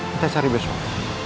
kita cari besok